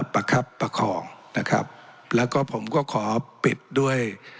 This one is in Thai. ประคับประคองนะครับแล้วก็ผมก็ขอปิดด้วย